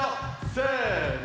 せの！